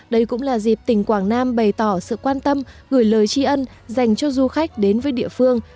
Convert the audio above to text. đây cũng là dịp tỉnh quảng nam bày tỏ sự quan tâm gửi lời tri ân dành cho du khách đến với địa phương